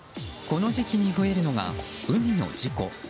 この時期に増えるのが海の事故。